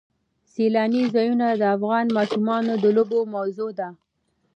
سیلاني ځایونه د افغان ماشومانو د لوبو موضوع ده.